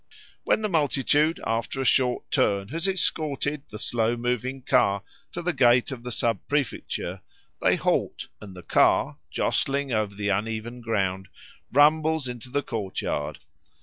When the multitude, after a short turn, has escorted the slow moving car to the gate of the Sub Prefecture, they halt, and the car, jolting over the uneven ground, rumbles into the courtyard.